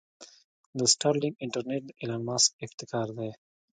د سټارلنک انټرنټ د ايلان مسک ابتکار دې.